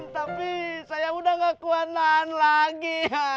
tapi saya udah gak kuat naan lagi